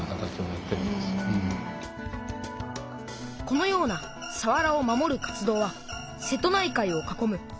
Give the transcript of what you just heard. このようなさわらを守る活動は瀬戸内海を囲む１１